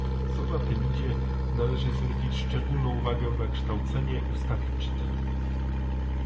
Co za tym idzie, należy zwrócić szczególną uwagę na kształcenie ustawiczne